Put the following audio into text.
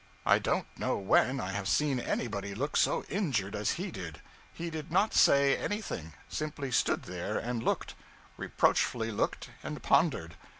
I don't know when I have seen anybody look so injured as he did. He did not say anything simply stood there and looked; reproachfully looked and pondered.